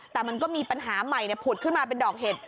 แต่มันก็มีปัญหาใหม่ผุดขึ้นมาเป็นดอกเห็ด